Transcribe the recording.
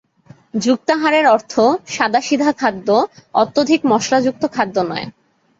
যুক্তাহারের অর্থ সাদাসিধা খাদ্য, অত্যধিক মশলাযুক্ত খাদ্য নয়।